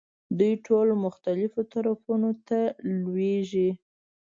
دوی ټول مختلفو طرفونو ته لویېږي.